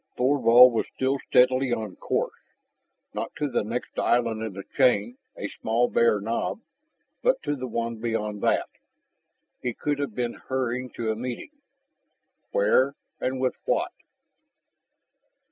Thorvald was still steadily on course, not to the next island in the chain, a small, bare knob, but to the one beyond that. He could have been hurrying to a meeting. Where and with what?